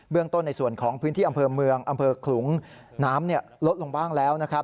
ต้นในส่วนของพื้นที่อำเภอเมืองอำเภอขลุงน้ำลดลงบ้างแล้วนะครับ